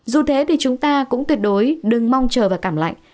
dù thế thì chúng ta cũng tuyệt đối đừng mong chờ và cảm lạnh